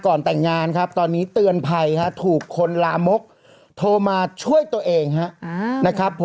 ก่อนแต่งงานครับตอนนี้เตือนภัยถูกคนลามกโทรมาช่วยตัวเองนะครับผม